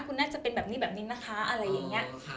คุณน่าจะเป็นแบบนี้แบบนี้นะคะอะไรอย่างนี้